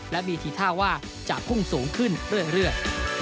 และมีทีท่าว่าจะพุ่งสูงขึ้นเรื่อย